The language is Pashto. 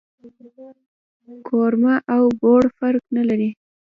کورمه او بوڼ فرق نه لري